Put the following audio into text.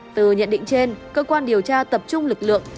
từ nhận định trên cơ quan điều tra tập trung lực lượng